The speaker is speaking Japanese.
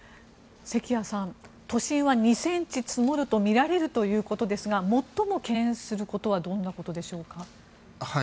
関谷さん、都心は２ｃｍ積もるとみられるということですが最も懸念することはどんなことでしょうか？